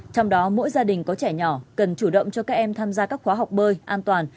trong đó mỗi gia đình có trẻ nhỏ cần chủ động cho các em tham gia các khóa học bơi an toàn